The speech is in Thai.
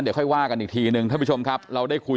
บอกเลยว่าขอบคุณมากนะคะ